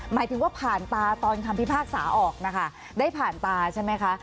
หมายถึงว่าผ่านตาตอนคำพิพากษาออกนะคะได้ผ่านตาใช่ไหมคะ